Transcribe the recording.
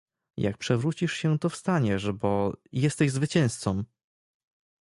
Jak przewrócisz się to wstaniesz bo: jesteś zwycięzcą!